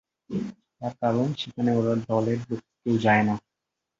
তার কারণ, সেখানে ওর দলের লোক কেউ যায় না।